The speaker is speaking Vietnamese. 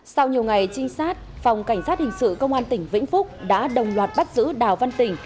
sau nhiều ngày trinh sát phòng cảnh sát hình sự công an tỉnh vĩnh phúc đã đồng loạt bắt giữ đào văn tỉnh